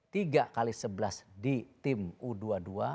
tiga x sebelas di tim u dua puluh dua